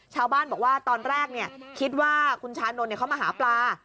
ชาวบ้านบอกว่าตอนแรกคิดว่าคุณชานนท์เขามาหาปลา